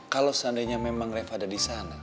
kalau seandainya memang rev ada di sana